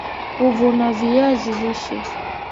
kuvuna viazi lishe